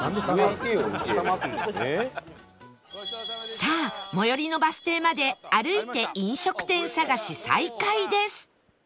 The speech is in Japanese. さあ最寄りのバス停まで歩いて飲食店探し再開です